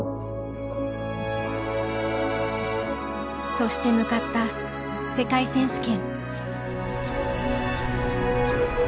そして向かった世界選手権。